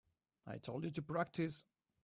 I told you to practice.